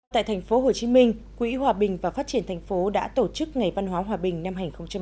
tại thành phố hồ chí minh quỹ hòa bình và phát triển thành phố đã tổ chức ngày văn hóa hòa bình năm hai nghìn một mươi chín